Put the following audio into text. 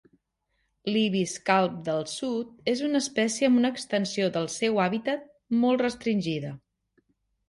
L'ibis calb del sud és una espècie amb una extensió del seu hàbitat molt restringida.